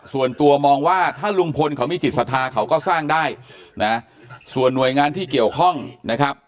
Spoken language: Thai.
ส่วนตัวมองว่าถ้าลุงพลเขามีจิตศรัทธาเขาก็สร้างได้นะส่วนหน่วยงานที่เกี่ยวข้องนะครับ